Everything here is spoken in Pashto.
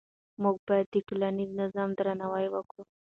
موږ باید د ټولنیز نظام درناوی وکړو.